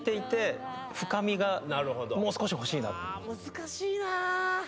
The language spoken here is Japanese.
難しいなぁ。